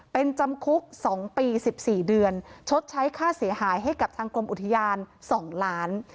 เป็นจำคุกสองปีสิบสี่เดือนชดใช้ค่าเสียหายให้กับทางกรมอุทธิญาณสองล้าน